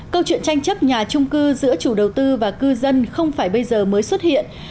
câu chuyện tranh chấp nhà trung cư giữa chủ đầu tư và cư dân không phải bây giờ mới xuất hiện